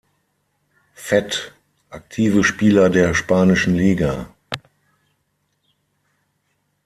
Fett: aktive Spieler der spanischen Liga